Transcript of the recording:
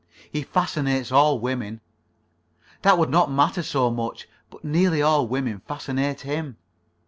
He fascinates all women. That would not matter so much, but nearly all women fascinate him.